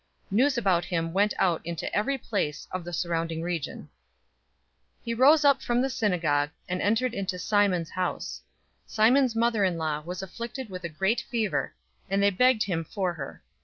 004:037 News about him went out into every place of the surrounding region. 004:038 He rose up from the synagogue, and entered into Simon's house. Simon's mother in law was afflicted with a great fever, and they begged him for her.